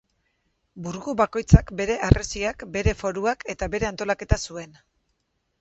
Burgu bakoitzak bere harresiak, bere foruak eta bere antolaketa zuen.